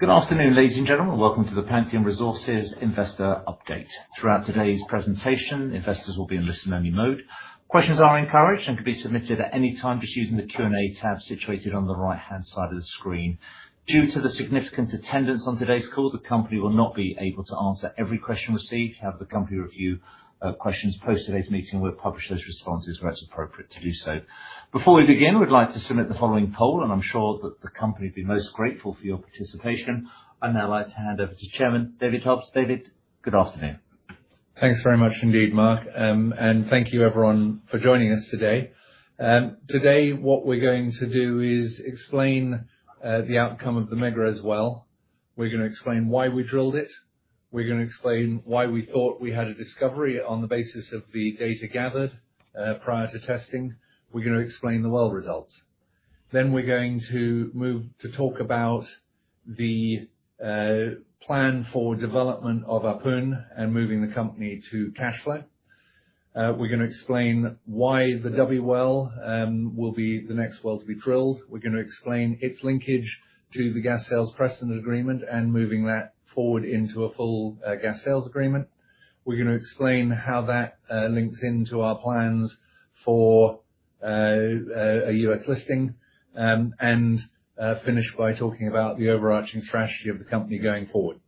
Good afternoon, ladies and gentlemen. Welcome to the Pantheon Resources investor update. Throughout today's presentation, investors will be in listen-only mode. Questions are encouraged and can be submitted at any time just using the Q&A tab situated on the right-hand side of the screen. Due to the significant attendance on today's call, the company will not be able to answer every question received. We'll have the company review questions post today's meeting. We'll publish those responses where it's appropriate to do so. Before we begin, we'd like to submit the following poll, and I'm sure that the company will be most grateful for your participation. I'd now like to hand over to Chairman David Hobbs. David, good afternoon. Thanks very much indeed, Mark. Thank you everyone for joining us today. Today, what we're going to do is explain the outcome of the Megrez well. We're gonna explain why we drilled it. We're gonna explain why we thought we had a discovery on the basis of the data gathered prior to testing. We're gonna explain the well results. We're going to move to talk about the plan for development of our Ahpun and moving the company to cash flow. We're gonna explain why the Dubhe well will be the next well to be drilled. We're gonna explain its linkage to the Gas Sales Precedent Agreement and moving that forward into a full gas sales agreement. We're gonna explain how that links into our plans for a U.S. listing and finish by talking about the overarching strategy of the company going forward.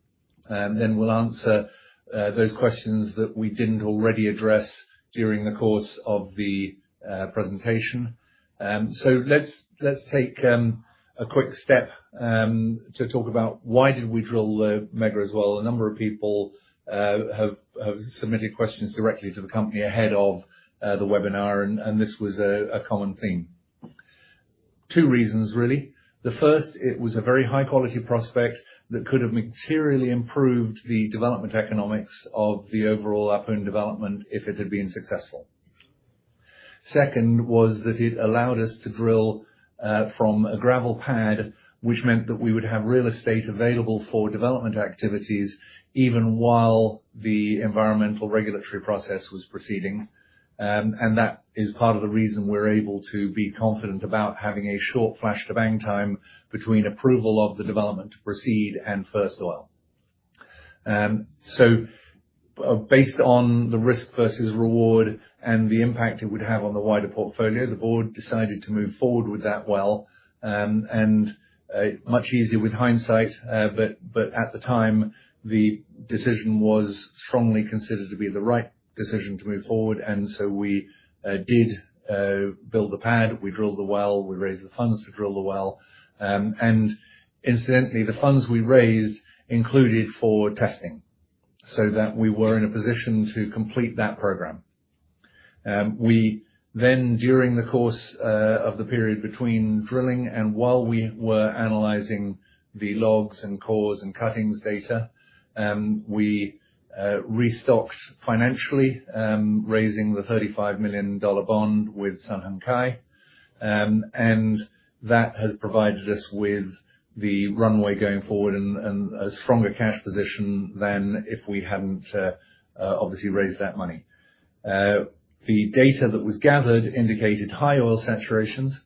We'll answer those questions that we didn't already address during the course of the presentation. Let's take a quick step to talk about why did we drill the Megrez well. A number of people have submitted questions directly to the company ahead of the webinar, and this was a common theme. Two reasons, really. The first, it was a very high quality prospect that could have materially improved the development economics of the overall Ahpun development if it had been successful. Second, it allowed us to drill from a gravel pad, which meant that we would have real estate available for development activities even while the environmental regulatory process was proceeding. That is part of the reason we're able to be confident about having a short flash to bang time between approval of the development to proceed and first oil. Based on the risk versus reward and the impact it would have on the wider portfolio, the Board decided to move forward with that well, and it's much easier with hindsight, but at the time, the decision was strongly considered to be the right decision to move forward. We did build the pad, we drilled the well, we raised the funds to drill the well. Incidentally, the funds we raised included for testing so that we were in a position to complete that program. We then, during the course of the period between drilling and while we were analyzing the logs and cores and cuttings data, we restocked financially, raising the $35 million bond with Sun Hung Kai. That has provided us with the runway going forward and a stronger cash position than if we hadn't obviously raised that money. The data that was gathered indicated high oil saturations.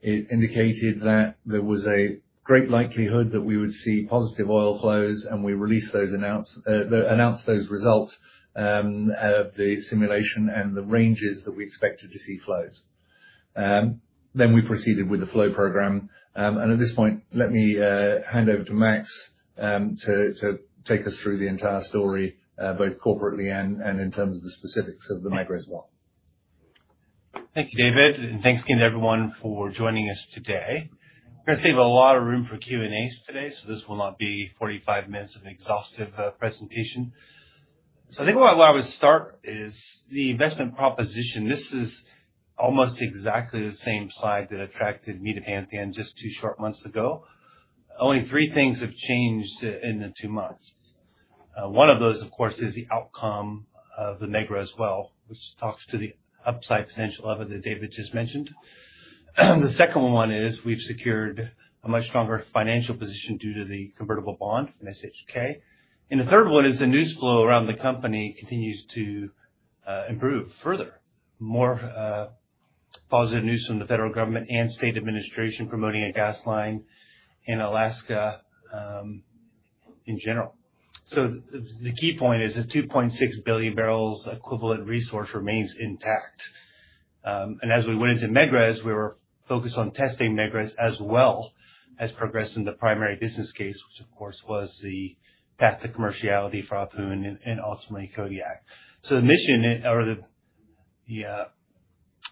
It indicated that there was a great likelihood that we would see positive oil flows, and we announced those results of the simulation and the ranges that we expected to see flows. We proceeded with the flow program. At this point, let me hand over to Max to take us through the entire story, both corporately and in terms of the specifics of the Megrez well. Thank you, David, and thanks again to everyone for joining us today. We're gonna save a lot of room for Q&A today, so this will not be 45 minutes of an exhaustive presentation. I think where I would start is the investment proposition. This is almost exactly the same slide that attracted me to Pantheon just two short months ago. Only three things have changed in the two months. One of those, of course, is the outcome of the Megrez well, which talks to the upside potential of it that David just mentioned. The second one is we've secured a much stronger financial position due to the convertible bond from SHK. The third one is the news flow around the company continues to improve further. More positive news from the federal government and state administration promoting a gas line in Alaska, in general. The key point is this 2.6 billion barrels equivalent resource remains intact. As we went into Megrez, we were focused on testing Megrez as well as progressing the primary business case, which of course was the path to commerciality for Ahpun and ultimately Kodiak. The mission or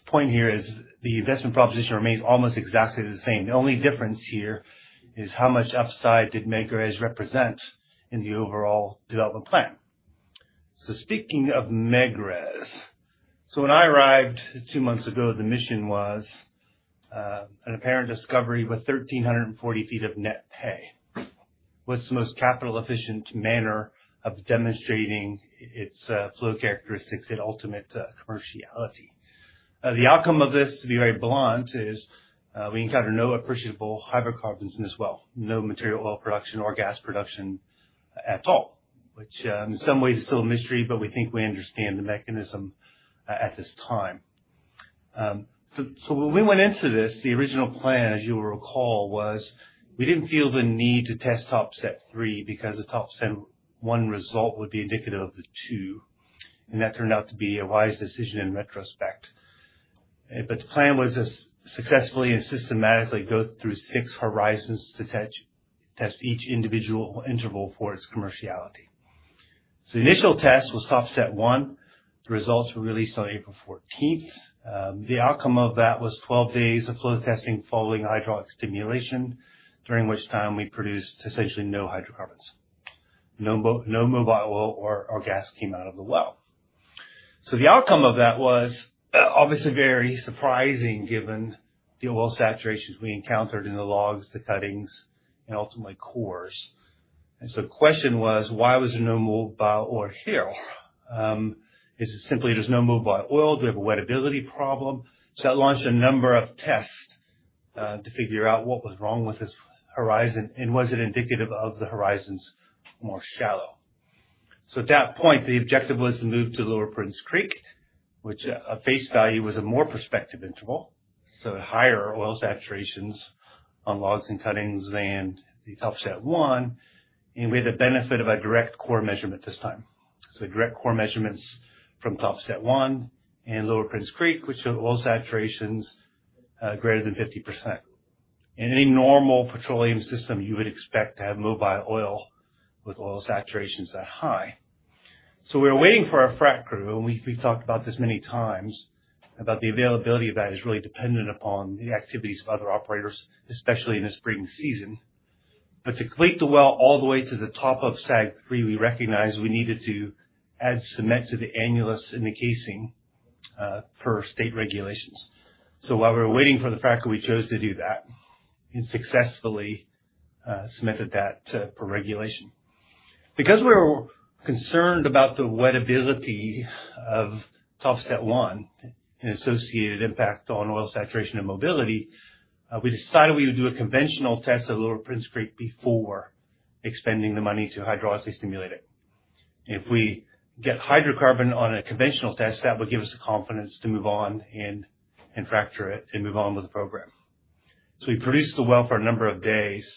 point here is the investment proposition remains almost exactly the same. The only difference here is how much upside did Megrez represent in the overall development plan? Speaking of Megrez. When I arrived two months ago, the mission was an apparent discovery with 1,340 feet of net pay. What's the most capital efficient manner of demonstrating its flow characteristics and ultimate commerciality? The outcome of this, to be very blunt, is we encounter no appreciable hydrocarbons in this well, no material oil production or gas production at all, which in some ways is still a mystery, but we think we understand the mechanism at this time. When we went into this, the original plan, as you will recall, was we didn't feel the need to test Topset 3 because the Topset 1 result would be indicative of the Topset 2. That turned out to be a wise decision in retrospect. The plan was to successfully and systematically go through six horizons to test each individual interval for its commerciality. The initial test was Topset 1. The results were released on April 14. The outcome of that was 12 days of flow testing following hydraulic stimulation, during which time we produced essentially no hydrocarbons. No mobile oil or gas came out of the well. The outcome of that was obviously very surprising given the oil saturations we encountered in the logs, the cuttings, and ultimately cores. The question was, why was there no mobile oil here? Is it simply there's no mobile oil? Do we have a wettability problem? That launched a number of tests to figure out what was wrong with this horizon, and was it indicative of the horizons more shallow. At that point, the objective was to move to Lower Prince Creek, which at face value was a more prospective interval, so higher oil saturations on logs and cuttings than the Topset 1, and we had the benefit of a direct core measurement this time. Direct core measurements from Topset 1 and Lower Prince Creek, which showed oil saturations greater than 50%. In any normal petroleum system, you would expect to have mobile oil with oil saturations that high. We were waiting for our frac crew, and we talked about this many times, about the availability of that is really dependent upon the activities of other operators, especially in the spring season. To complete the well all the way to the top of Sag 3, we recognized we needed to add cement to the annulus in the casing, per state regulations. While we were waiting for the frac, we chose to do that, and successfully cemented that, per regulation. Because we were concerned about the wettability of Topset 1 and associated impact on oil saturation and mobility, we decided we would do a conventional test at Lower Prince Creek before expending the money to hydraulically stimulate it. If we get hydrocarbon on a conventional test, that would give us the confidence to move on and fracture it and move on with the program. We produced the well for a number of days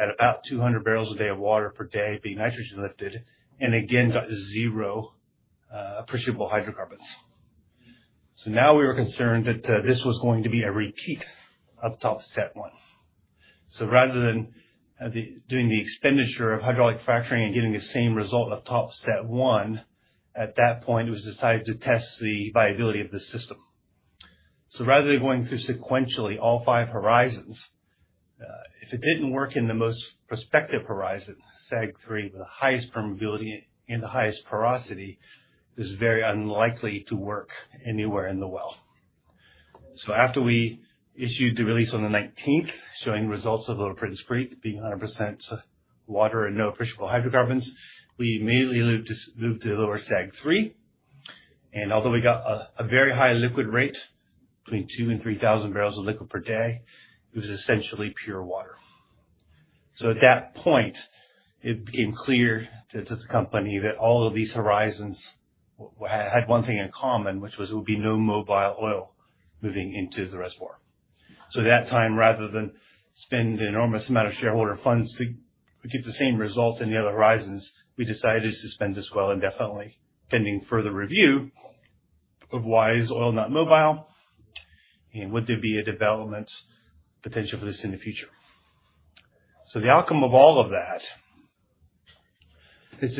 at about 200 barrels a day of water per day being nitrogen lifted, and again, got zero appreciable hydrocarbons. Now we were concerned that this was going to be a repeat of Topset 1. Rather than doing the expenditure of hydraulic fracturing and getting the same result of Topset 1, at that point, it was decided to test the viability of the system. Rather than going through sequentially all five horizons, if it didn't work in the most prospective horizon, Sag 3, with the highest permeability and the highest porosity, it's very unlikely to work anywhere in the well. After we issued the release on the nineteenth, showing results of Lower Prince Creek being 100% water and no appreciable hydrocarbons, we immediately moved to Lower Sag 3. Although we got a very high liquid rate between 2,000 and 3,000 barrels of liquid per day, it was essentially pure water. At that point, it became clear to the company that all of these horizons had one thing in common, which was there would be no mobile oil moving into the reservoir. At that time, rather than spend an enormous amount of shareholder funds to get the same result in the other horizons, we decided to suspend this well indefinitely, pending further review of why is oil not mobile, and would there be a development potential for this in the future. The outcome of all of that is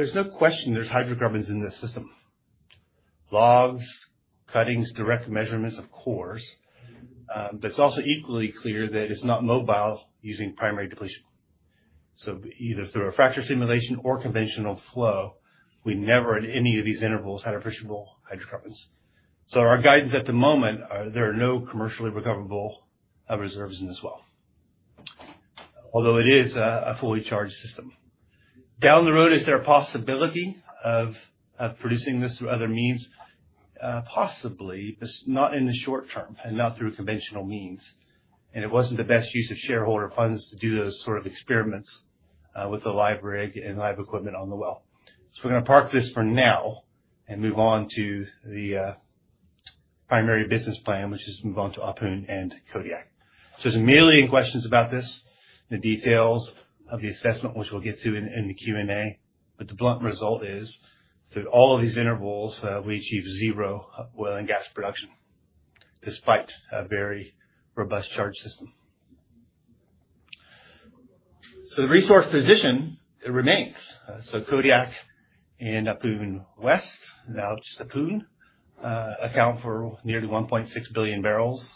there's no question there's hydrocarbons in this system. Logs, cuttings, direct measurements of cores. It's also equally clear that it's not mobile using primary depletion. Either through a fracture stimulation or conventional flow, we never, in any of these intervals, had appreciable hydrocarbons. Our guidance at the moment are there are no commercially recoverable reserves in this well, although it is a fully charged system. Down the road, is there a possibility of producing this through other means? Possibly, but not in the short term and not through conventional means. It wasn't the best use of shareholder funds to do those sort of experiments with the live rig and live equipment on the well. We're gonna park this for now and move on to the primary business plan, which is move on to Ahpun and Kodiak. There's a million questions about this, the details of the assessment, which we'll get to in the Q&A. The blunt result is, through all of these intervals, we achieved zero oil and gas production, despite a very robust charge system. The resource position, it remains. Kodiak and Ahpun West, now just Ahpun, account for nearly 1.6 billion barrels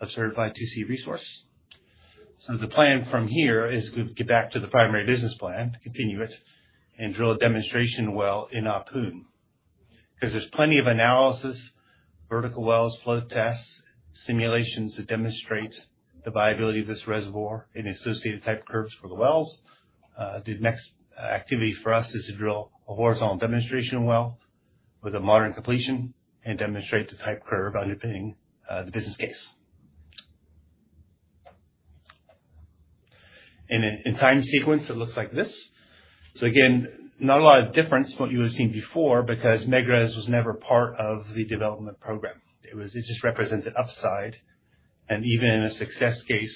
of certified 2C resource. The plan from here is to get back to the primary business plan, to continue it, and drill a demonstration well in Ahpun. 'Cause there's plenty of analysis, vertical wells, flow tests, simulations that demonstrate the viability of this reservoir and associated type curves for the wells. The next activity for us is to drill a horizontal demonstration well with a modern completion and demonstrate the type curve underpinning the business case. In time sequence, it looks like this. Again, not a lot of difference what you have seen before, because Megrez was never part of the development program. It was... It just represented upside, and even in a success case,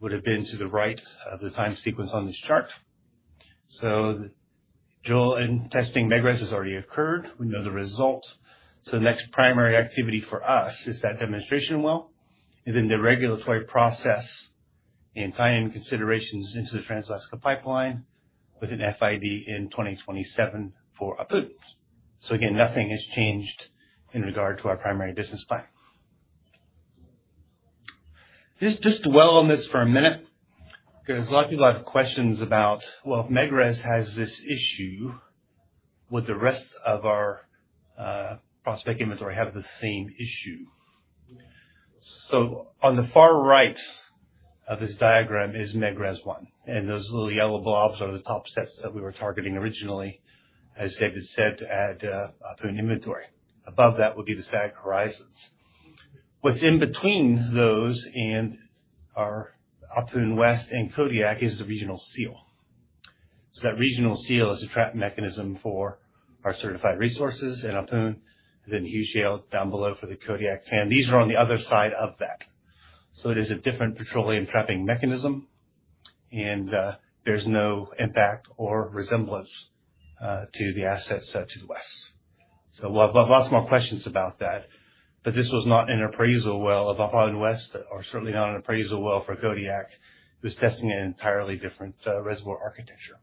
would have been to the right of the time sequence on this chart. Drilling and testing Megrez has already occurred. We know the result. The next primary activity for us is that demonstration well, and then the regulatory process and timing considerations into the Trans-Alaska Pipeline with an FID in 2027 for Ahpun. Again, nothing has changed in regard to our primary business plan. Just dwell on this for a minute because a lot of people have questions about, well, if Megrez has this issue, would the rest of our prospect inventory have the same issue? On the far right of this diagram is Megrez-1, and those little yellow blobs are the topsets that we were targeting originally, as David said, to add Ahpun inventory. Above that would be the Sag horizons. What's in between those and our Ahpun West and Kodiak is the regional seal. That regional seal is a trap mechanism for our certified resources in Ahpun, then Hue Hill down below for the Kodiak Fan. These are on the other side of that. It is a different petroleum trapping mechanism, and, there's no impact or resemblance, to the assets set to the west. We'll have lots more questions about that, but this was not an appraisal well of Ahpun West, or certainly not an appraisal well for Kodiak. It was testing an entirely different, reservoir architecture.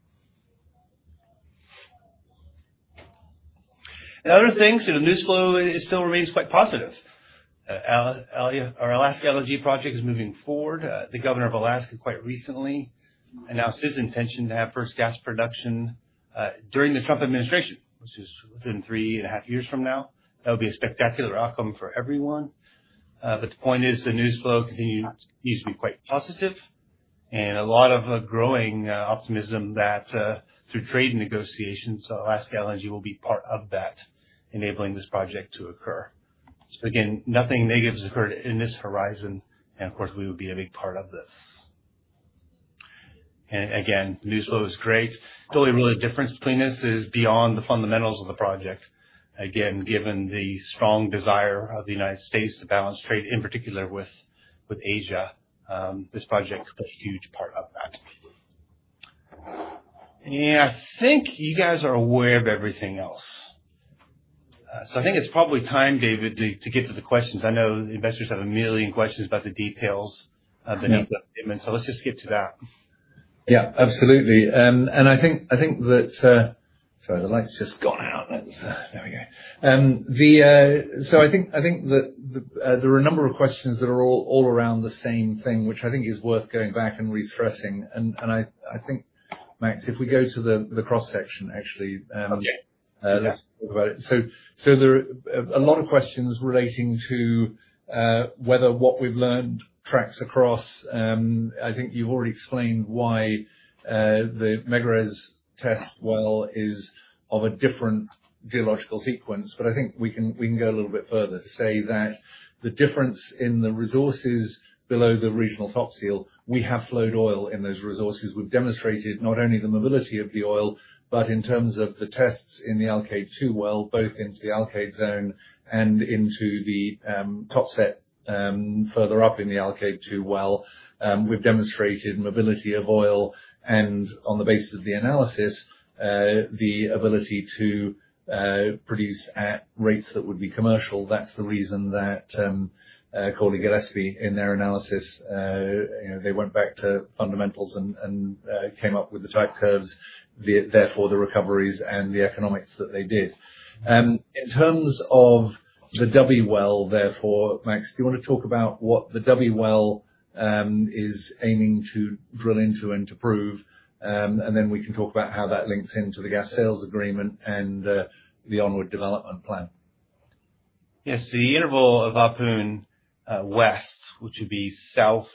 Other things, you know, news flow is still remains quite positive. Our Alaska LNG project is moving forward. The governor of Alaska quite recently announced his intention to have first gas production during the Trump administration, which is within 3.5 years from now. That would be a spectacular outcome for everyone. The point is the news flow continues to be quite positive and a lot of growing optimism that through trade negotiations, Alaska LNG will be part of that, enabling this project to occur. Again, nothing negative has occurred in this horizon and of course, we would be a big part of this. Again, news flow is great. The only real difference between this is beyond the fundamentals of the project. Again, given the strong desire of the United States to balance trade, in particular with Asia, this project is a huge part of that. I think you guys are aware of everything else. I think it's probably time, David, to get to the questions. I know the investors have a million questions about the details. Yeah. Underneath that statement. Let's just get to that. Yeah, absolutely. Sorry, the light's just gone out. That's. There we go. I think that there are a number of questions that are all around the same thing, which I think is worth going back and refreshing. I think, Max, if we go to the cross-section, actually. Yeah. Let's talk about it. There are a lot of questions relating to whether what we've learned tracks across. I think you've already explained why the Megrez test well is of a different geological sequence. I think we can go a little bit further to say that the difference in the resources below the regional top seal, we have flowed oil in those resources. We've demonstrated not only the mobility of the oil, but in terms of the tests in the Alkaid-2 well, both into the Alkaid zone and into the topset further up in the Alkaid-2 well. We've demonstrated mobility of oil and on the basis of the analysis, the ability to produce at rates that would be commercial. That's the reason that, Cawley, Gillespie, in their analysis, you know, they went back to fundamentals and came up with the type curves, therefore the recoveries and the economics that they did. In terms of the Dubhe well, therefore, Max, do you wanna talk about what the Dubhe well is aiming to drill into and to prove? Then we can talk about how that links into the gas sales agreement and the onward development plan. Yes. The interval of Ahpun West, which would be southwest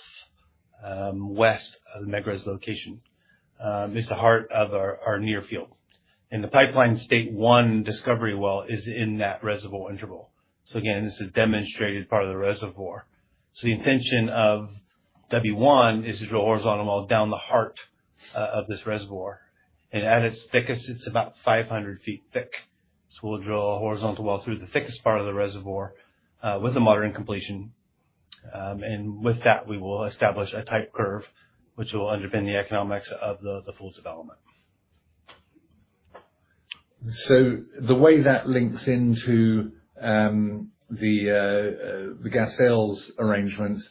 of Megrez location, is the heart of our near field. The Pipeline State-1 discovery well is in that reservoir interval. Again, this is demonstrated part of the reservoir. The intention of Dubhe-1 is to drill a horizontal well down the heart of this reservoir. At its thickest, it's about 500 feet thick. We'll drill a horizontal well through the thickest part of the reservoir with the modern completion. With that, we will establish a type curve which will underpin the economics of the full development. The way that links into the gas sales arrangement,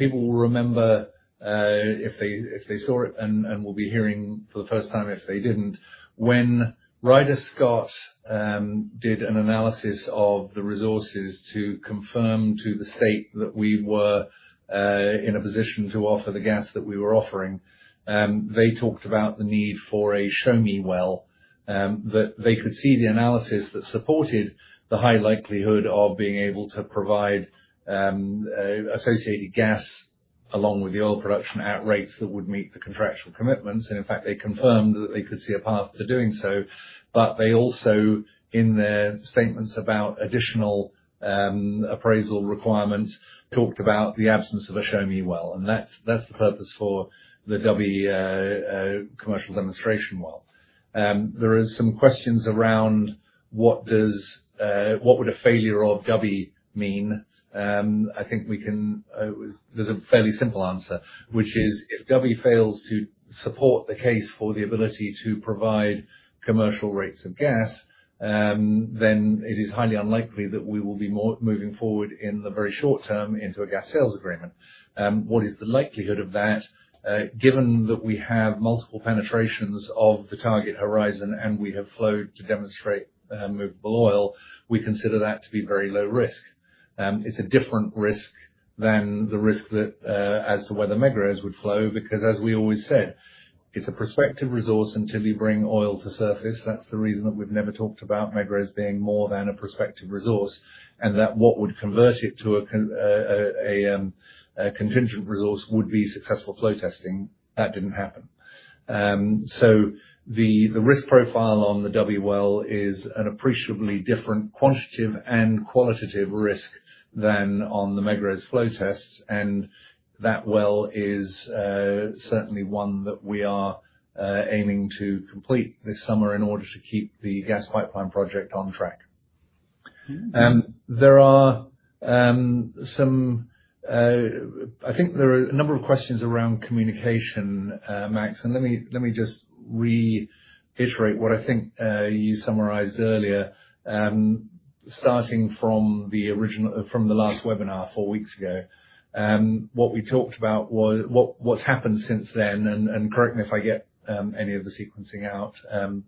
people will remember if they saw it and will be hearing for the first time if they didn't. When Ryder Scott did an analysis of the resources to confirm to the state that we were in a position to offer the gas that we were offering, they talked about the need for a show-me well that they could see the analysis that supported the high likelihood of being able to provide associated gas along with the oil production at rates that would meet the contractual commitments. In fact, they confirmed that they could see a path to doing so. They also, in their statements about additional appraisal requirements, talked about the absence of a show-me well, and that's the purpose for the Dubhe commercial demonstration well. There is some questions around what does, what would a failure of Dubhe mean? I think we can, there's a fairly simple answer, which is if Dubhe fails to support the case for the ability to provide commercial rates of gas, then it is highly unlikely that we will be moving forward in the very short term into a gas sales agreement. What is the likelihood of that? Given that we have multiple penetrations of the target horizon and we have flowed to demonstrate movable oil, we consider that to be very low risk. It's a different risk than the risk that, as to whether Megrez would flow. Because as we always said, it's a prospective resource until you bring oil to surface. That's the reason that we've never talked about Megrez being more than a prospective resource, and that what would convert it to a contingent resource would be successful flow testing. That didn't happen. The risk profile on the Dubhe well is an appreciably different quantitative and qualitative risk than on the Megrez flow test. That well is certainly one that we are aiming to complete this summer in order to keep the gas pipeline project on track. There are some, I think there are a number of questions around communication, Max, and let me just reiterate what I think you summarized earlier. Starting from the last webinar four weeks ago. What we talked about was what's happened since then, and correct me if I get any of the sequencing out, and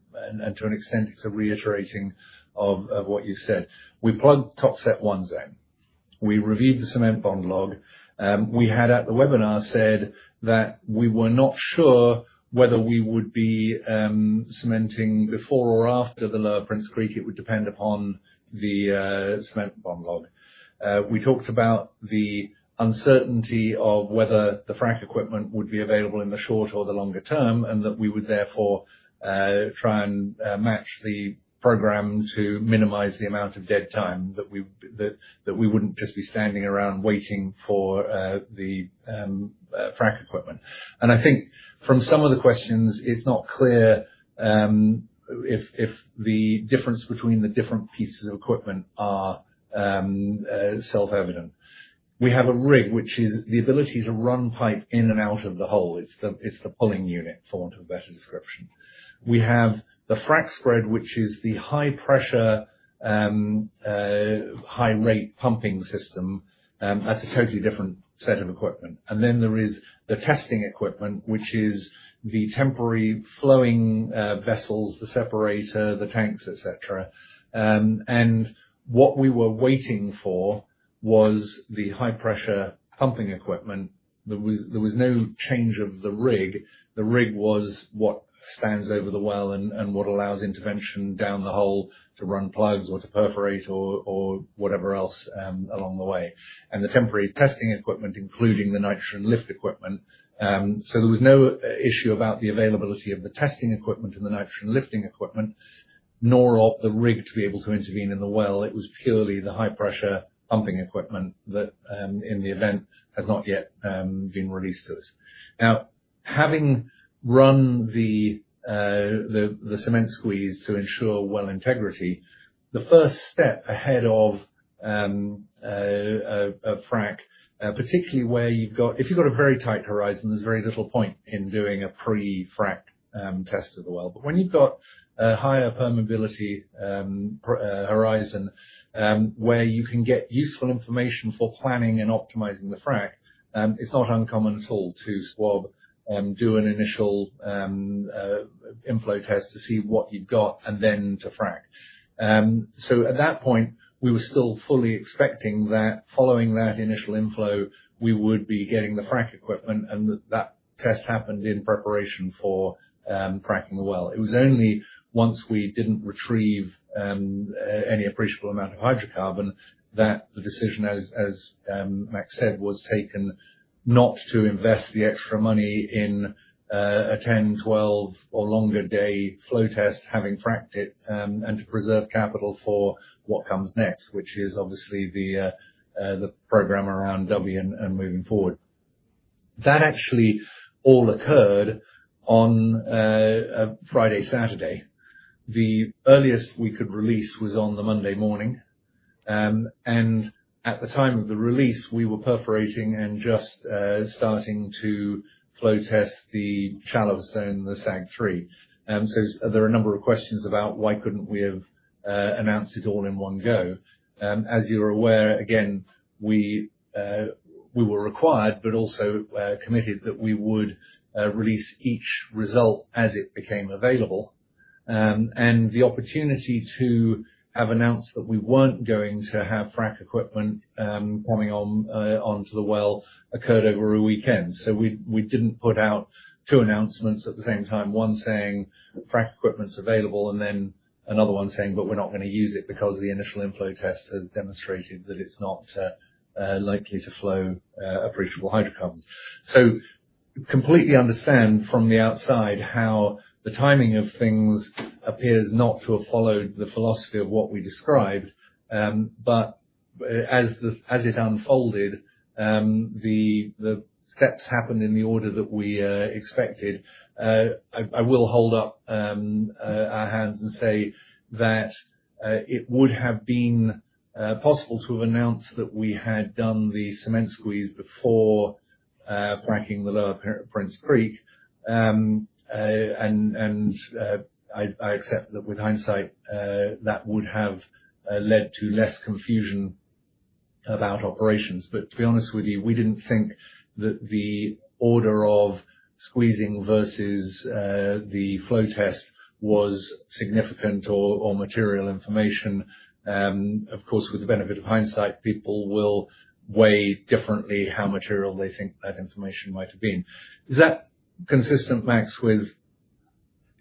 to an extent it's a reiterating of what you said. We plugged Topset 1 zone. We reviewed the cement bond log. We had at the webinar said that we were not sure whether we would be cementing before or after the Lower Prince Creek. It would depend upon the cement bond log. We talked about the uncertainty of whether the frack equipment would be available in the short or the longer term, and that we would therefore try and match the program to minimize the amount of dead time that we wouldn't just be standing around waiting for the frack equipment. I think from some of the questions, it's not clear if the difference between the different pieces of equipment are self-evident. We have a rig, which is the ability to run pipe in and out of the hole. It's the pulling unit, for want of a better description. We have the frack spread, which is the high pressure, high rate pumping system. That's a totally different set of equipment. There is the testing equipment, which is the temporary flowing vessels, the separator, the tanks, et cetera. What we were waiting for was the high pressure pumping equipment. There was no change of the rig. The rig was what spans over the well and what allows intervention down the hole to run plugs or to perforate or whatever else, along the way, the temporary testing equipment, including the nitrogen lift equipment. There was no issue about the availability of the testing equipment and the nitrogen lifting equipment, nor of the rig to be able to intervene in the well. It was purely the high pressure pumping equipment that, in the event, has not yet been released to us. Now, having run the cement squeeze to ensure well integrity, the first step ahead of a frack, particularly if you've got a very tight horizon, there's very little point in doing a pre-frack test of the well. When you've got a higher permeability horizon, where you can get useful information for planning and optimizing the frack, it's not uncommon at all to do an initial inflow test to see what you've got and then to frack. At that point, we were still fully expecting that following that initial inflow, we would be getting the frack equipment, and that test happened in preparation for fracking the well. It was only once we didn't retrieve any appreciable amount of hydrocarbon that the decision, as Max said, was taken not to invest the extra money in a 10, 12 or longer day flow test having fracked it, and to preserve capital for what comes next, which is obviously the program around Dubhe and moving forward. That actually all occurred on Friday, Saturday. The earliest we could release was on the Monday morning. At the time of the release, we were perforating and just starting to flow test the shallow zone, the Sag 3. There are a number of questions about why couldn't we have announced it all in one go. As you're aware, again, we were required but also committed that we would release each result as it became available. The opportunity to have announced that we weren't going to have frack equipment coming on onto the well occurred over a weekend. We didn't put out two announcements at the same time, one saying the frack equipment's available, and then another one saying, "But we're not gonna use it because the initial inflow test has demonstrated that it's not likely to flow appreciable hydrocarbons." Completely understand from the outside how the timing of things appears not to have followed the philosophy of what we described. As it unfolded, the steps happened in the order that we expected. I will hold up our hands and say that it would have been possible to have announced that we had done the cement squeeze before fracking the Lower Prince Creek. I accept that with hindsight that would have led to less confusion about operations. To be honest with you, we didn't think that the order of squeezing versus the flow test was significant or material information. Of course, with the benefit of hindsight, people will weigh differently how material they think that information might have been. Is that consistent, Max, with...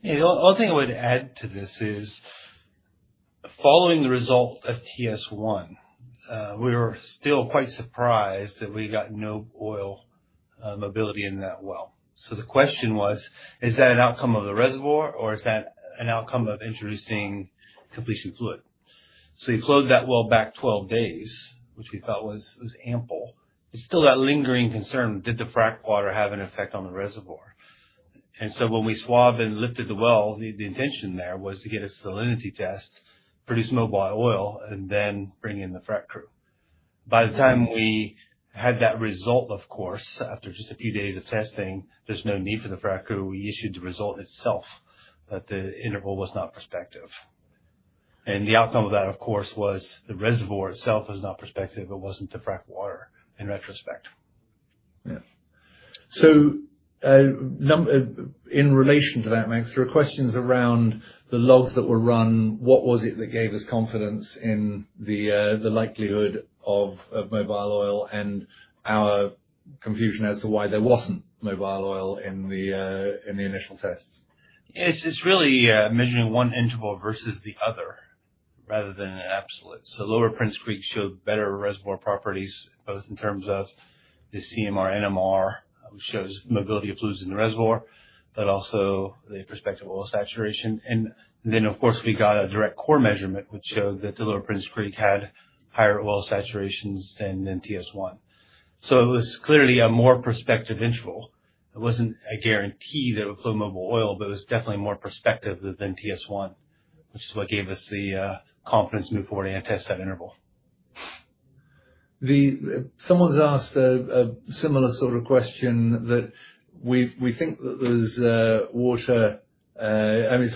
The other thing I would add to this is following the result of TS1, we were still quite surprised that we got no oil mobility in that well. The question was, is that an outcome of the reservoir or is that an outcome of introducing completion fluid? You flowed that well back 12 days, which we felt was ample. There's still that lingering concern, did the frack water have an effect on the reservoir? When we swabbed and lifted the well, the intention there was to get a salinity test, produce mobile oil, and then bring in the frack crew. By the time we had that result, of course, after just a few days of testing, there's no need for the frack crew. We issued the result itself that the interval was not prospective. The outcome of that, of course, was the reservoir itself not prospective. It wasn't the frack water in retrospect. In relation to that, Max, there are questions around the logs that were run. What was it that gave us confidence in the likelihood of mobile oil and our confusion as to why there wasn't mobile oil in the initial tests? It's really measuring one interval versus the other rather than an absolute. Lower Prince Creek showed better reservoir properties, both in terms of the CMR, NMR, which shows mobility of fluids in the reservoir, but also the prospective oil saturation. Of course, we got a direct core measurement, which showed that the Lower Prince Creek had higher oil saturations than TS1. It was clearly a more prospective interval. It wasn't a guarantee that it would flow mobile oil, but it was definitely more prospective than TS1, which is what gave us the confidence to move forward and test that interval. Someone's asked a similar sort of question that we think that there's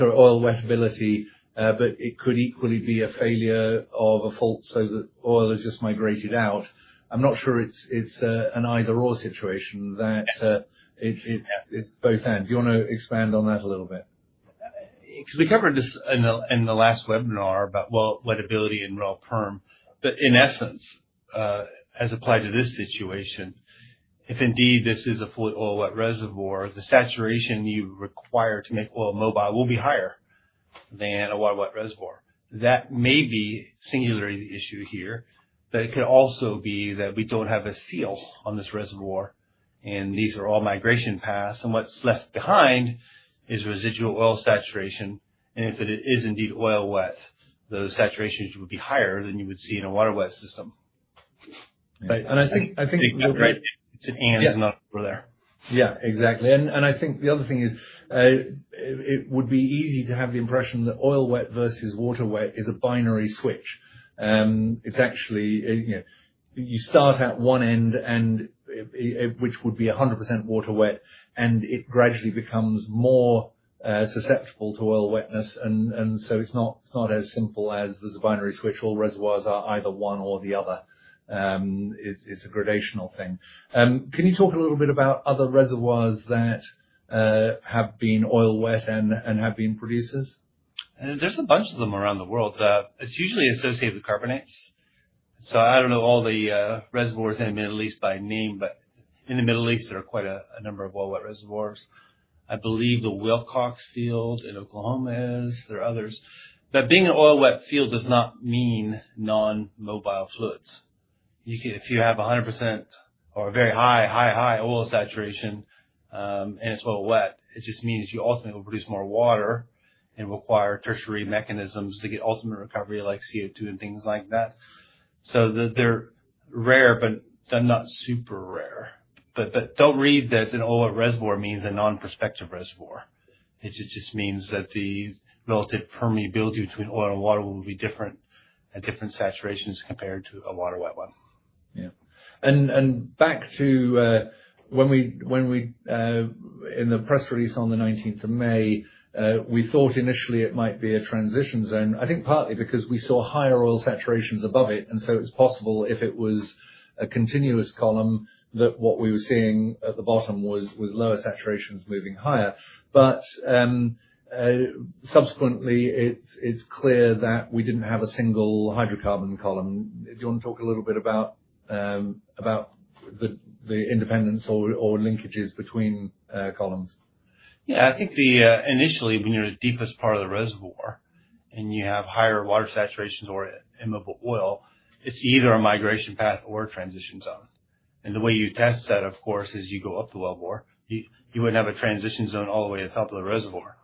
oil wettability, but it could equally be a failure of a fault so that oil has just migrated out. I'm not sure it's an either/or situation. Yeah. It's both/and. Do you wanna expand on that a little bit? We covered this in the last webinar about well, wettability and Rel Perm, but in essence, as applied to this situation, if indeed this is a fully oil-wet reservoir, the saturation you require to make oil mobile will be higher than a water-wet reservoir. That may be singularly the issue here, but it could also be that we don't have a seal on this reservoir, and these are all migration paths, and what's left behind is residual oil saturation. If it is indeed oil-wet, those saturations would be higher than you would see in a water-wet system. I think. It's an and, it's not or there. Yeah, exactly. I think the other thing is, it would be easy to have the impression that oil-wet versus water wet is a binary switch. It's actually, you know, you start at one end, which would be 100% water wet, and it gradually becomes more susceptible to oil wetness. So it's not as simple as there's a binary switch. All reservoirs are either one or the other. It's a gradational thing. Can you talk a little bit about other reservoirs that have been oil-wet and have been producers? There's a bunch of them around the world. It's usually associated with carbonates. I don't know all the reservoirs in the Middle East by name, but in the Middle East, there are quite a number of oil-wet reservoirs. I believe the Wilcox field in Oklahoma is. There are others. Being an oil-wet field does not mean immobile fluids. If you have 100% or a very high oil saturation, and it's oil-wet, it just means you ultimately will produce more water and require tertiary mechanisms to get ultimate recovery, like CO2 and things like that. They're rare, but they're not super rare. Don't read that an oil-wet reservoir means a non-prospective reservoir. It just means that the relative permeability between oil and water will be different at different saturations compared to a water wet one. Back to what we said in the press release on the 19th of May, we thought initially it might be a transition zone. I think partly because we saw higher oil saturations above it, and so it's possible, if it was a continuous column, that what we were seeing at the bottom was lower saturations moving higher. Subsequently, it's clear that we didn't have a single hydrocarbon column. Do you wanna talk a little bit about the independence or linkages between columns? Yeah, I think the initially when you're in the deepest part of the reservoir and you have higher water saturations or immobile oil, it's either a migration path or a transition zone. The way you test that, of course, is you go up the wellbore. You wouldn't have a transition zone all the way to the top of the reservoir.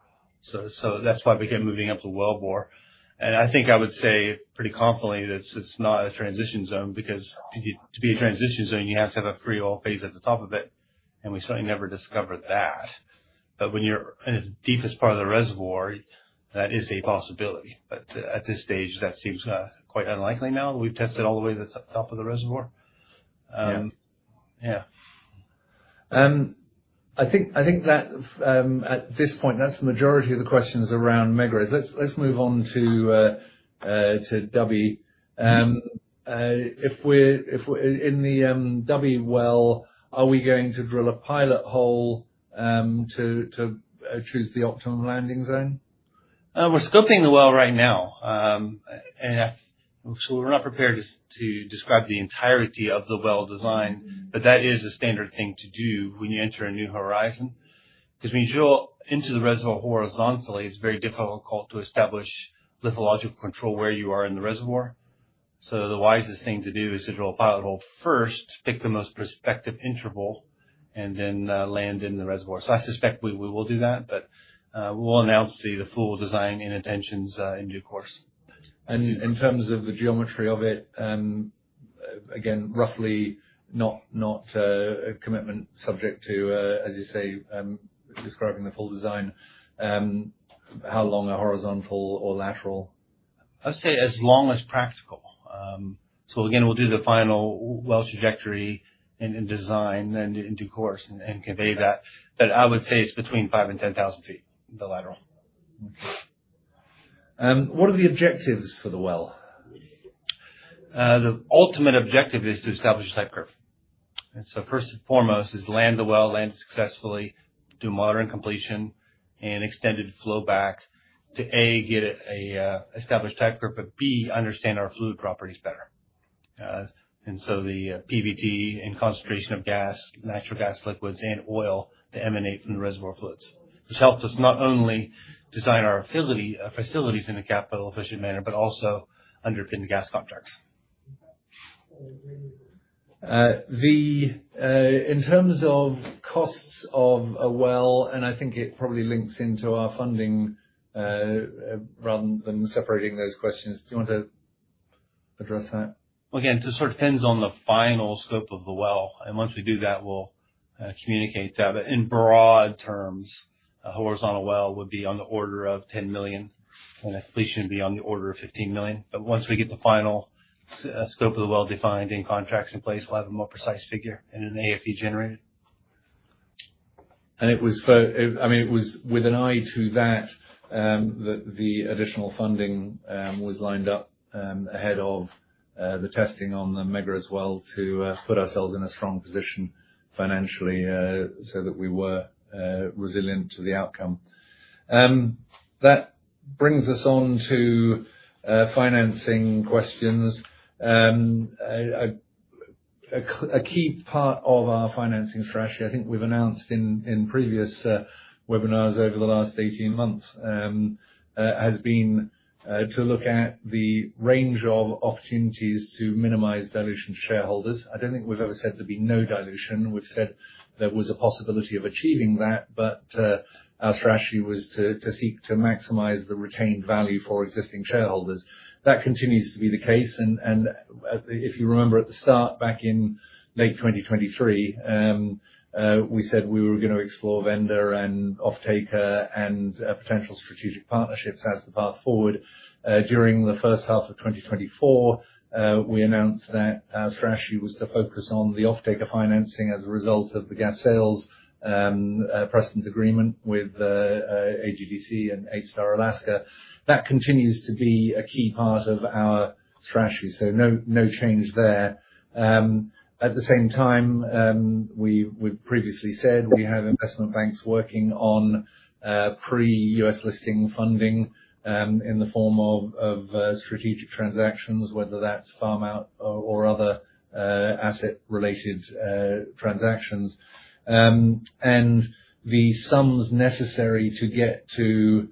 That's why we began moving up the wellbore. I think I would say pretty confidently that it's not a transition zone because to be a transition zone, you have to have a free oil phase at the top of it, and we certainly never discovered that. When you're in the deepest part of the reservoir, that is a possibility. At this stage, that seems quite unlikely now that we've tested all the way to the top of the reservoir. Yeah. I think that at this point, that's the majority of the questions around Megrez. Let's move on to Dubhe. In the Dubhe well, are we going to drill a pilot hole to choose the optimal landing zone? We're scoping the well right now. We're not prepared to describe the entirety of the well design, but that is a standard thing to do when you enter a new horizon. Because when you drill into the reservoir horizontally, it's very difficult to establish lithological control where you are in the reservoir. The wisest thing to do is to drill a pilot hole first, pick the most prospective interval, and then land in the reservoir. I suspect we will do that, but we'll announce the full design and intentions in due course. In terms of the geometry of it, again, roughly, not a commitment subject to, as you say, describing the full design, how long a horizontal or lateral? I'd say as long as practical. Again, we'll do the final well trajectory and design in due course and convey that. I would say it's between five and 10,000 feet, the lateral. Okay. What are the objectives for the well? The ultimate objective is to establish a type curve. First and foremost is land the well, land successfully, do modern completion and extended flowback to, A, get a established type curve, but, B, understand our fluid properties better. The PVT and concentration of gas, natural gas liquids, and oil that emanate from the reservoir fluids. This helps us not only design our facilities in a capital-efficient manner but also underpin the gas contracts. In terms of costs of a well, and I think it probably links into our funding, rather than separating those questions. Do you want to address that? Again, just sort of depends on the final scope of the well, and once we do that, we'll communicate that. In broad terms, a horizontal well would be on the order of $10 million, and a frac should be on the order of $15 million. Once we get the final scope of the well defined and contracts in place, we'll have a more precise figure and an AFE generated. I mean, it was with an eye to that, the additional funding was lined up ahead of the testing on the Megrez as well to put ourselves in a strong position financially, so that we were resilient to the outcome. That brings us on to financing questions. A key part of our financing strategy, I think we've announced in previous webinars over the last 18 months, has been to look at the range of opportunities to minimize dilution to shareholders. I don't think we've ever said there'd be no dilution. We've said there was a possibility of achieving that, but our strategy was to seek to maximize the retained value for existing shareholders. That continues to be the case. If you remember at the start, back in late 2023, we said we were gonna explore vendor and offtaker and potential strategic partnerships as the path forward. During the first half of 2024, we announced that our strategy was to focus on the offtaker financing as a result of the gas sales precedent agreement with AGDC and ASTAR Alaska. That continues to be a key part of our strategy. No change there. At the same time, we've previously said we have investment banks working on pre-U.S. listing funding in the form of strategic transactions, whether that's farm out or other asset related transactions. The sums necessary to get to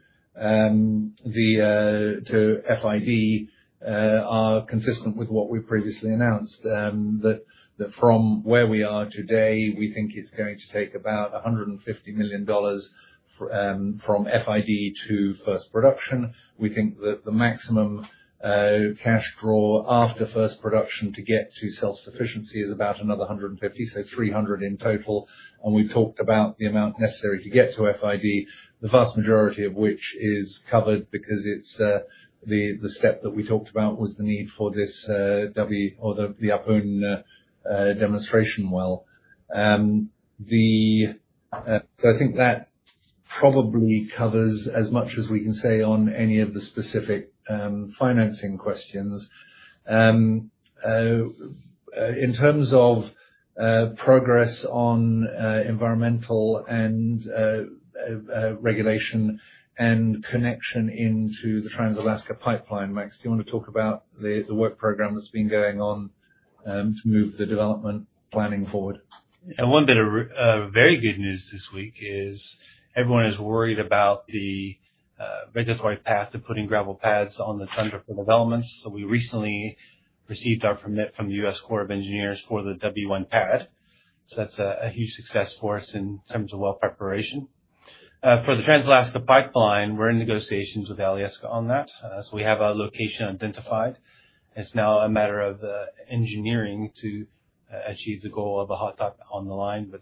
FID are consistent with what we've previously announced. That from where we are today, we think it's going to take about $150 million from FID to first production. We think that the maximum cash draw after first production to get to self-sufficiency is about another $150 million, so $300 million in total. We've talked about the amount necessary to get to FID, the vast majority of which is covered because it's the step that we talked about was the need for this Dubhe or the Ahpun demonstration well. I think that probably covers as much as we can say on any of the specific financing questions. In terms of progress on environmental and regulation and connection into the Trans-Alaska Pipeline, Max, do you want to talk about the work program that's been going on to move the development planning forward? One bit of very good news this week is everyone is worried about the regulatory path to putting gravel pads on the tundra for developments. We recently received our permit from the U.S. Army Corps of Engineers for the Dubhe-1 pad. That's a huge success for us in terms of well preparation. For the Trans-Alaska Pipeline, we're in negotiations with Alyeska on that. We have our location identified. It's now a matter of engineering to achieve the goal of a hot tap on the line.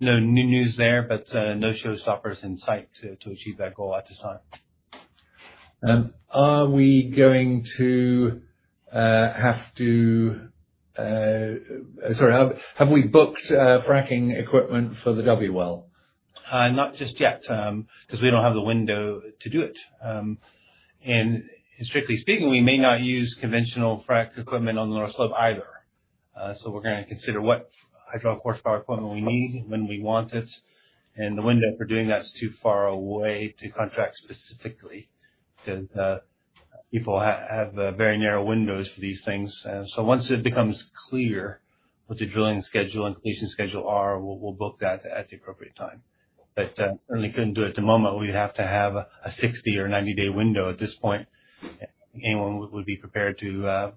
No new news there, but no showstoppers in sight to achieve that goal at this time. Sorry, have we booked fracking equipment for the Dubhe well? Not just yet, 'cause we don't have the window to do it. Strictly speaking, we may not use conventional frack equipment on the North Slope either. We're gonna consider what hydraulic horsepower equipment we need when we want it. The window for doing that is too far away to contract specifically, because people have very narrow windows for these things. Once it becomes clear what the drilling schedule and completion schedule are, we'll book that at the appropriate time. Certainly couldn't do it at the moment. We'd have to have a 60- or 90-day window at this point. I don't think anyone would be prepared to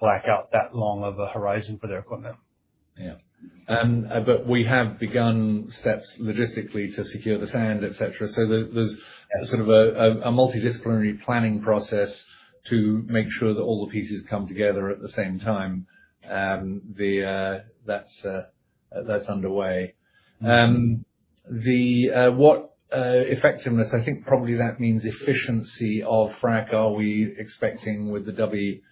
black out that long of a horizon for their equipment. Yeah. We have begun steps logistically to secure the sand, et cetera. There's sort of a multidisciplinary planning process to make sure that all the pieces come together at the same time. That's underway. The effectiveness, I think probably that means efficiency of frack are we expecting with the Dubhe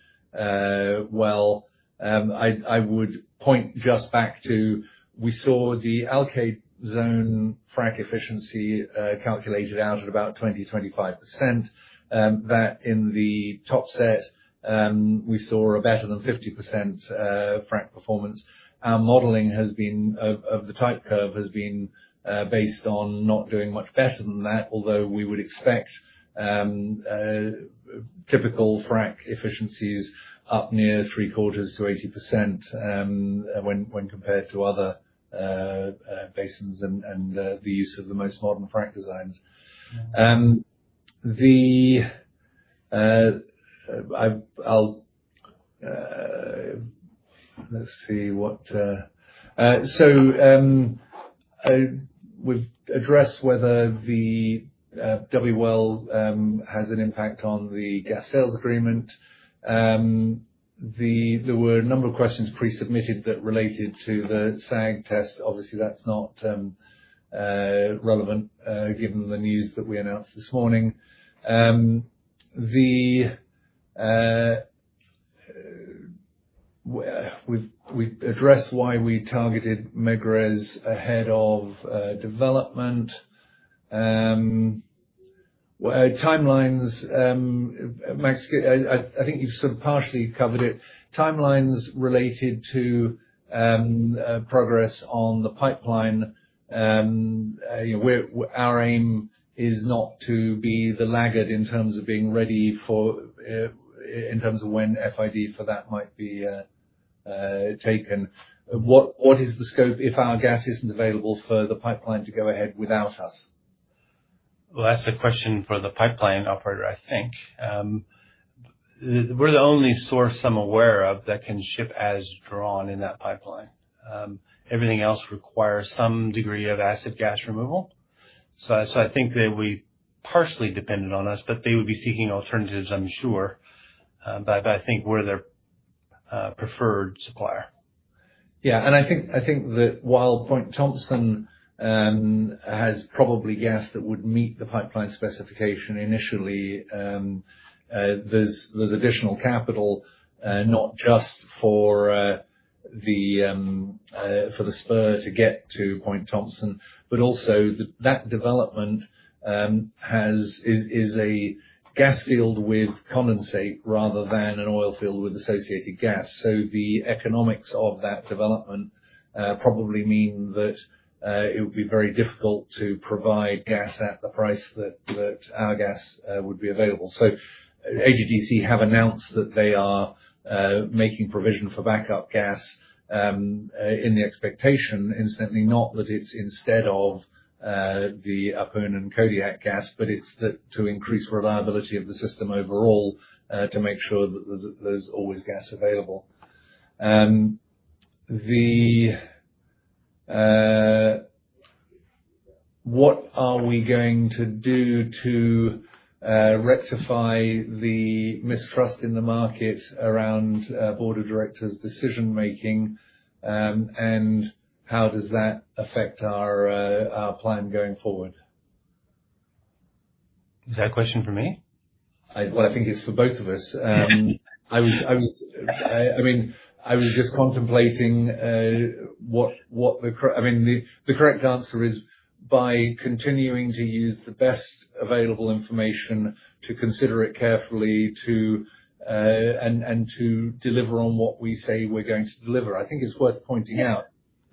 well? I would point just back to, we saw the Alkaid Zone frack efficiency calculated out at about 25%. That in the top set, we saw a better than 50% frack performance. Our modeling of the type curve has been based on not doing much better than that, although we would expect typical frack efficiencies up near three-quarters to 80%, when compared to other basins and the use of the most modern frack designs. We've addressed whether the Dubhe well has an impact on the gas sales agreement. There were a number of questions pre-submitted that related to the Sag test. Obviously, that's not relevant, given the news that we announced this morning. We've addressed why we targeted Megrez ahead of development. Timelines, Max, I think you've sort of partially covered it. Timelines related to progress on the pipeline. Our aim is not to be the laggard in terms of being ready for when FID for that might be taken. What is the scope if our gas isn't available for the pipeline to go ahead without us? Well, that's a question for the pipeline operator, I think. We're the only source I'm aware of that can ship as drawn in that pipeline. Everything else requires some degree of acid gas removal. I think they would be partially dependent on us, but they would be seeking alternatives, I'm sure. I think we're their preferred supplier. I think that while Point Thomson has probably gas that would meet the pipeline specification initially, there's additional capital, not just for the spur to get to Point Thomson, but also that development is a gas field with condensate rather than an oil field with associated gas. The economics of that development probably mean that it would be very difficult to provide gas at the price that our gas would be available. AGDC have announced that they are making provision for backup gas in the expectation, incidentally, not that it's instead of the Ahpun and Kodiak gas, but it's to increase reliability of the system overall, to make sure that there's always gas available. What are we going to do to rectify the mistrust in the market around our Board of Directors' decision-making, and how does that affect our plan going forward? Is that a question for me? Well, I think it's for both of us. I mean, the correct answer is by continuing to use the best available information to consider it carefully, and to deliver on what we say we're going to deliver. I think it's worth pointing out.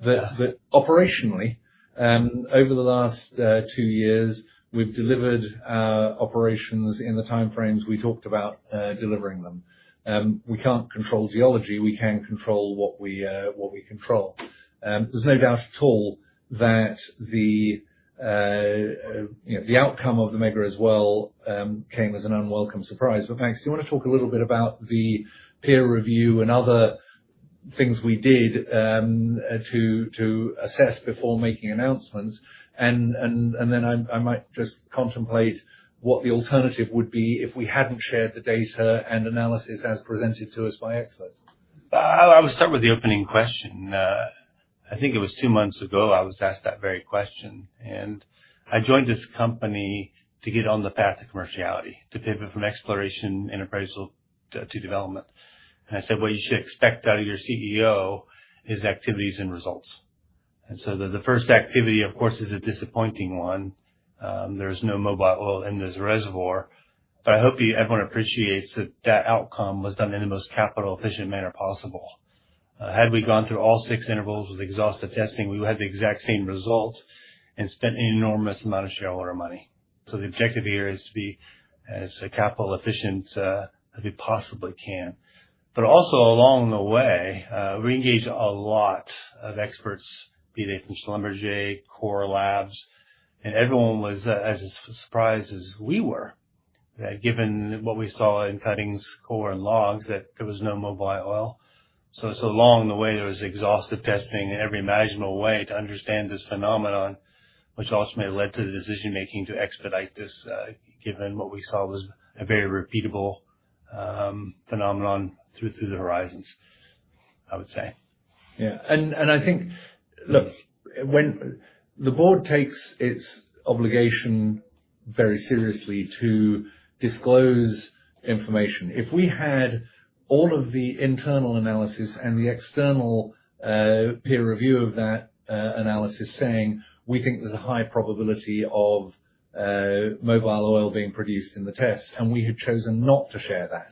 Operationally, over the last two years, we've delivered operations in the time frames we talked about delivering them. We can't control geology, we can control what we control. There's no doubt at all that you know, the outcome of the Megrez well came as an unwelcome surprise. Max, you want to talk a little bit about the peer review and other things we did to assess before making announcements. I might just contemplate what the alternative would be if we hadn't shared the data and analysis as presented to us by experts. I would start with the opening question. I think it was two months ago, I was asked that very question. I joined this company to get on the path to commerciality, to pivot from exploration and appraisal to development. I said, "What you should expect out of your CEO is activities and results." The first activity, of course, is a disappointing one. There's no mobile oil in this reservoir, but I hope everyone appreciates that that outcome was done in the most capital efficient manner possible. Had we gone through all six intervals with exhaustive testing, we would have the exact same result and spent an enormous amount of shareholder money. The objective here is to be as capital efficient as we possibly can. Along the way, we engaged a lot of experts, be they from Schlumberger, Core Labs, and everyone was as surprised as we were that given what we saw in cuttings, core and logs, that there was no mobile oil. So along the way, there was exhaustive testing in every imaginable way to understand this phenomenon, which ultimately led to the decision-making to expedite this, given what we saw was a very repeatable phenomenon through the horizons, I would say. Yeah. I think. Look, the Board takes its obligation very seriously to disclose information. If we had all of the internal analysis and the external, peer review of that, analysis saying, "We think there's a high probability of, mobile oil being produced in the test," and we had chosen not to share that,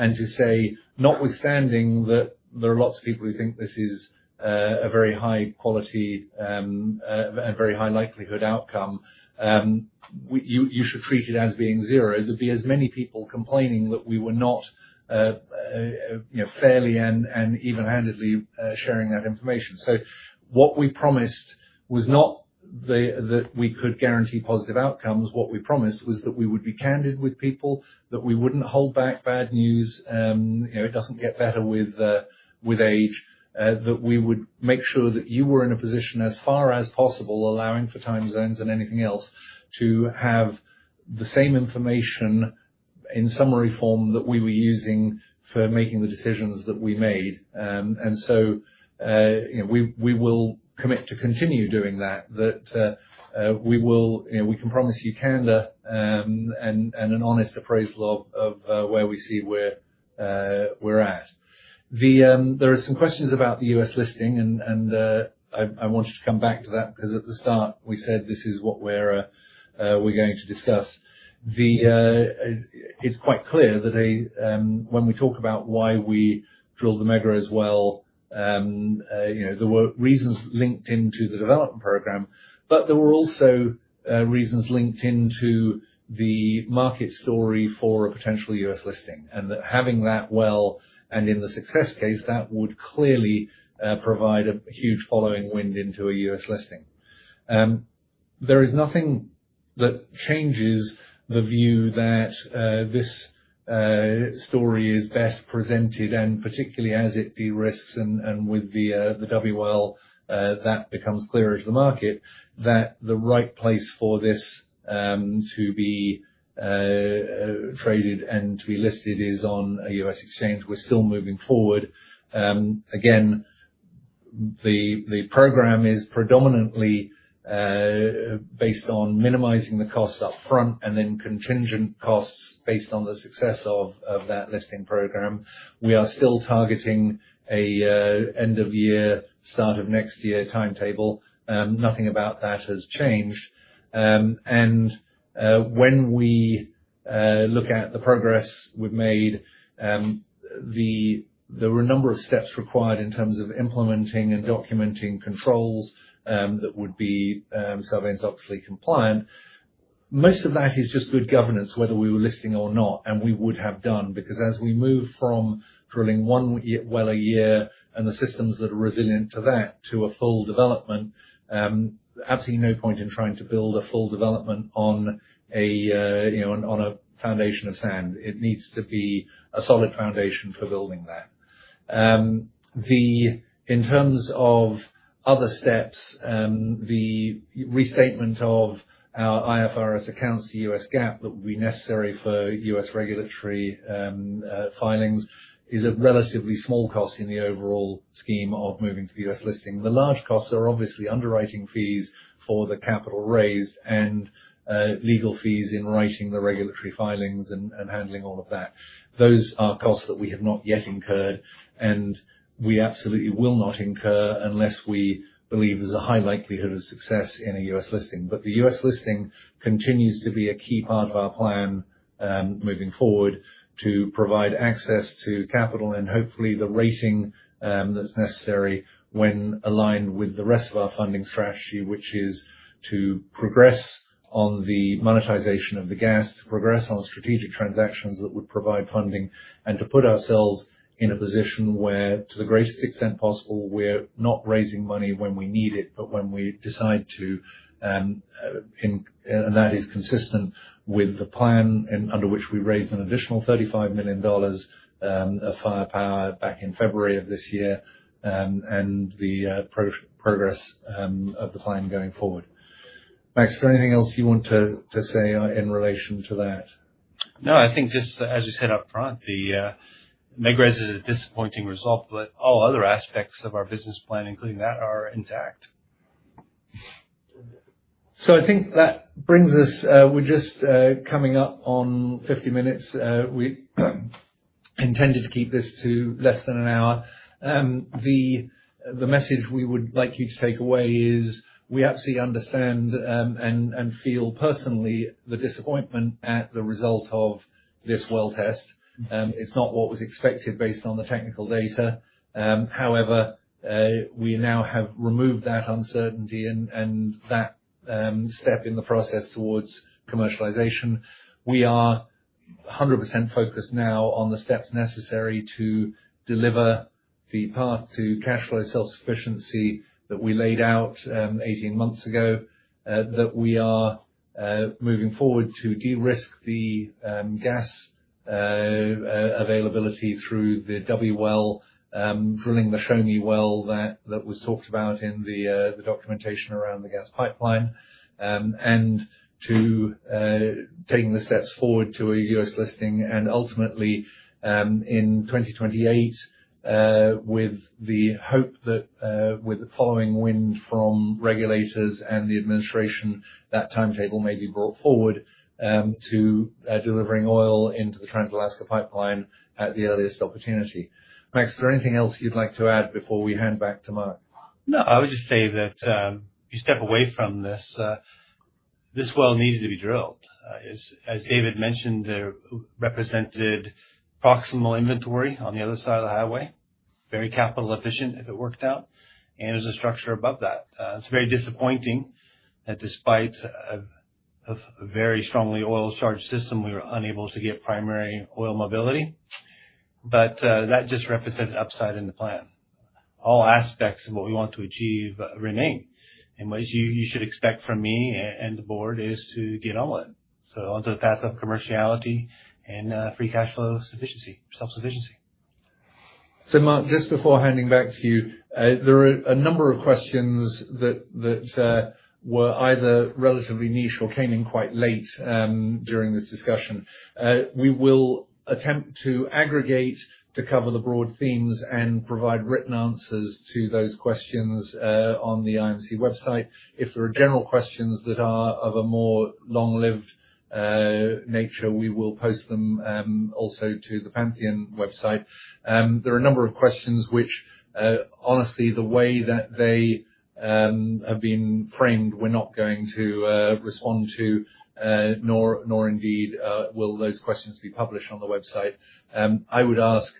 and to say, "Notwithstanding that there are lots of people who think this is, a very high quality, a very high likelihood outcome, you should treat it as being zero," there'd be as many people complaining that we were not, you know, fairly and even-handedly, sharing that information. What we promised was not that we could guarantee positive outcomes. What we promised was that we would be candid with people, that we wouldn't hold back bad news. You know, it doesn't get better with age. That we would make sure that you were in a position as far as possible, allowing for time zones and anything else, to have the same information in summary form that we were using for making the decisions that we made. You know, we will commit to continue doing that. You know, we can promise you candor and an honest appraisal of where we see we're at. There are some questions about the U.S. listing and I want you to come back to that, because at the start, we said this is what we're going to discuss. It's quite clear that a. When we talk about why we drilled the Megrez well, you know, there were reasons linked into the development program, but there were also reasons linked into the market story for a potential U.S. listing. That having that well, and in the success case, that would clearly provide a huge following wind into a U.S. listing. There is nothing that changes the view that this story is best presented, and particularly as it de-risks and with the Dubhe well, that becomes clearer to the market, that the right place for this to be traded and to be listed is on a U.S. exchange. We're still moving forward. Again, the program is predominantly based on minimizing the costs up front and then contingent costs based on the success of that listing program. We are still targeting a end of year, start of next year timetable. Nothing about that has changed. When we look at the progress we've made. There were a number of steps required in terms of implementing and documenting controls that would be Sarbanes-Oxley compliant. Most of that is just good governance, whether we were listing or not, and we would have done. Because as we move from drilling one well a year and the systems that are resilient to that to a full development, absolutely no point in trying to build a full development on a you know on a foundation of sand. It needs to be a solid foundation for building that. In terms of other steps, the restatement of our IFRS accounts to U.S. GAAP that would be necessary for U.S. regulatory filings is a relatively small cost in the overall scheme of moving to the U.S. listing. The large costs are obviously underwriting fees for the capital raised and legal fees in writing the regulatory filings and handling all of that. Those are costs that we have not yet incurred, and we absolutely will not incur unless we believe there's a high likelihood of success in a U.S. listing. The U.S. listing continues to be a key part of our plan, moving forward to provide access to capital and hopefully the rating that's necessary when aligned with the rest of our funding strategy, which is to progress on the monetization of the gas, to progress on strategic transactions that would provide funding, and to put ourselves in a position where to the greatest extent possible, we're not raising money when we need it, but when we decide to. That is consistent with the plan under which we raised an additional $35 million of firepower back in February of this year, and the progress of the plan going forward. Max, is there anything else you want to say in relation to that? No, I think just as you said up front, the Megrez is a disappointing result, but all other aspects of our business plan, including that, are intact. I think that brings us. We're just coming up on 50 minutes. We intended to keep this to less than an hour. The message we would like you to take away is we absolutely understand and feel personally the disappointment at the result of this well test. It's not what was expected based on the technical data. However, we now have removed that uncertainty and that step in the process towards commercialization. We are 100% focused now on the steps necessary to deliver the path to cash flow self-sufficiency that we laid out 18 months ago that we are moving forward to de-risk the gas availability through the Dubhe well drilling the show-me well that was talked about in the documentation around the gas pipeline and taking the steps forward to a U.S. listing and ultimately in 2028 with the hope that with the following wind from regulators and the administration that timetable may be brought forward to delivering oil into the Trans-Alaska Pipeline at the earliest opportunity. Max, is there anything else you'd like to add before we hand back to Mark? No, I would just say that, if you step away from this well needed to be drilled. As David mentioned, it represented proximal inventory on the other side of the highway, very capital efficient if it worked out, and there's a structure above that. It's very disappointing that despite a very strongly oil charged system, we were unable to get primary oil mobility. That just represents upside in the plan. All aspects of what we want to achieve remain. What you should expect from me and the board is to get on with it. Onto the path of commerciality and free cash flow self-sufficiency. Mark, just before handing back to you, there are a number of questions that were either relatively niche or came in quite late during this discussion. We will attempt to aggregate to cover the broad themes and provide written answers to those questions on the IMC website. If there are general questions that are of a more long-lived nature, we will post them also to the Pantheon website. There are a number of questions which, honestly, the way that they have been framed, we're not going to respond to, nor indeed will those questions be published on the website. I would ask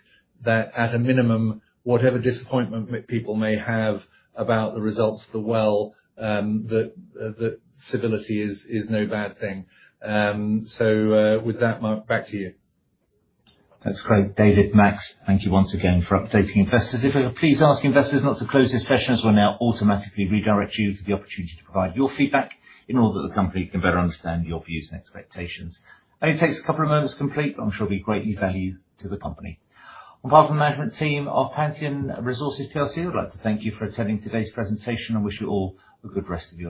that at a minimum, whatever disappointment people may have about the results of the well, that civility is no bad thing. With that, Mark, back to you. That's great. David, Max, thank you once again for updating investors. If I could please ask investors not to close this session, as we'll now automatically redirect you to the opportunity to provide your feedback in order that the company can better understand your views and expectations. Only takes a couple of moments to complete, but I'm sure it'll be greatly valued to the company. On behalf of the management team of Pantheon Resources PLC, we'd like to thank you for attending today's presentation and wish you all a good rest of your day.